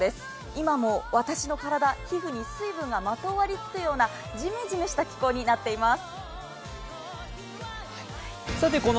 今も私の体、皮膚に水分がまとわりつくような、じめじめした気候になっています。